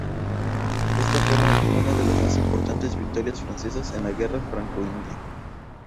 Ésta fue una de las más importantes victorias francesas en la Guerra Franco-india.